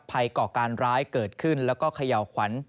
ก่อการร้ายเกิดขึ้นแล้วก็เขย่าขวัญ